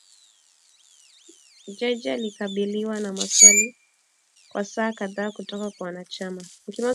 Jaji alikabiliwa na maswali kwa saa kadhaa kutoka kwa wanachama